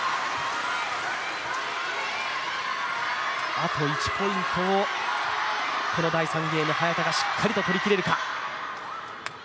あと１ポイントをこの第３ゲーム早田がしっかりと取り切れるか。